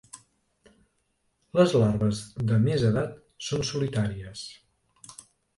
Les larves de més edat són solitàries.